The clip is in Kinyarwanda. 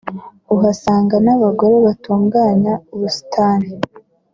uhasanga n’abagore batunganya ubusitani